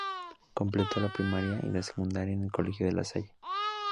Completó la primaria y la secundaria en el colegio La Salle.